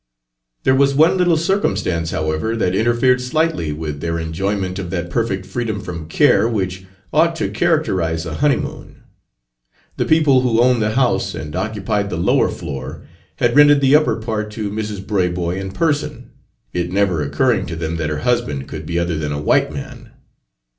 There was one little circumstance, however, that interfered slightly with their enjoyment of that perfect freedom from care which ought Page 247 to characterize a honeymoon. The people who owned the house and occupied the lower floor had rented the upper part to Mrs. Braboy in person, it never occurring to them that her husband could be other than a white man.